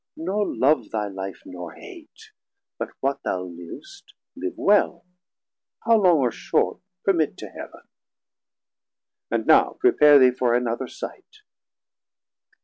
Nor love thy Life, nor hate; but what thou livst Live well, how long or short permit to Heav'n: 550 And now prepare thee for another sight.